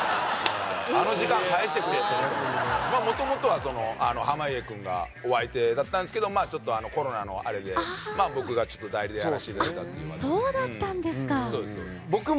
あの時間返してくれともともとは濱家君がお相手だったんですけどちょっとコロナのあれで僕が代理でやらせていただいたというそうだったんですかそうですそうです